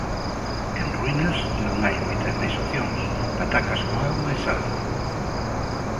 En Ruínas non hai moita máis opción, patacas con auga e sal.